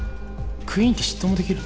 クイーンって執刀もできるの？